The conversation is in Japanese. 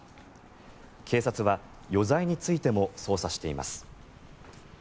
警察は余罪についても捜査しています。